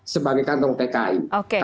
sebagai kantong tki